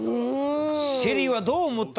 ＳＨＥＬＬＹはどう思った？